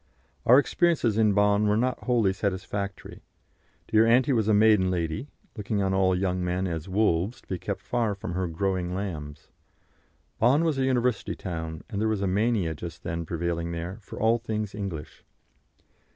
Our experiences in Bonn were not wholly satisfactory. Dear Auntie was a maiden lady, looking on all young men as wolves to be kept far from her growing lambs. Bonn was a university town, and there was a mania just then prevailing there for all things English.